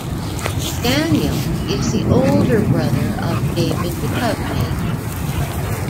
Daniel is the older brother of David Duchovny.